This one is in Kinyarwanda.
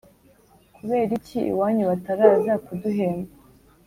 Kuberiki iwanyu bataraza kuduhemba